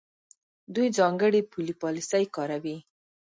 دوی ځانګړې پولي پالیسۍ کاروي.